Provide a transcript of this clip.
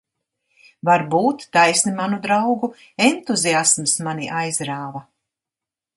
Varbūt, taisni manu draugu entuziasms mani aizrāva.